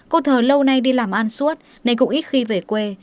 cô thờ lâu nay đi làm an suốt nấy cũng ít khi về quê